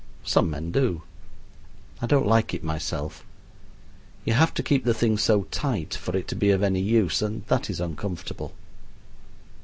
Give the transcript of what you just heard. Some men do. I don't like it myself. You have to keep the thing so tight for it to be of any use, and that is uncomfortable.